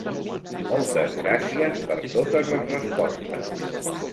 Moltes gràcies per totes les respostes!